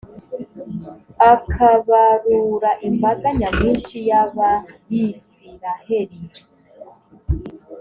akabarura imbaga nyamwinshi y’abayisraheli?